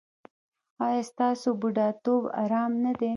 ایا ستاسو بوډاتوب ارام نه دی؟